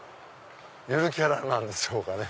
ゆるキャラなんでしょうかね。